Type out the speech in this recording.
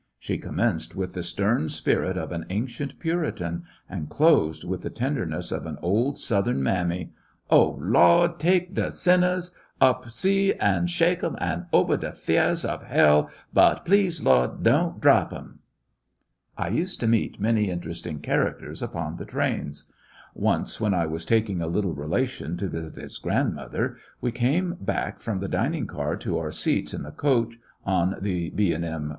She com menced with the stem spirit of an ancient Puritan, and closed with the tenderness of an old Southern mammy: "Oh, Lawd, tek de sinnahs ob C an' shek 'em obah de fiahs ob hell— but please, Lawd, doan drap 'em." I used to meet many interesting characters The bmke upon the trains. Once when I was taking a ^^^^^^^ little relation to visit his grandmother, we came back from the dining car to our seats in the coach on the £.& M.